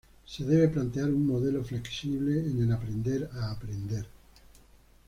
Se debe plantear un modelo flexible en el aprender a aprender.